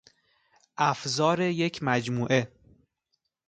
افزار یک مجموعه